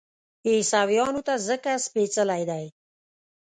عیسویانو ته ځکه سپېڅلی دی.